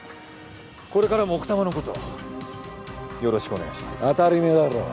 これからも奥多摩のことよろしくお願いしますよ。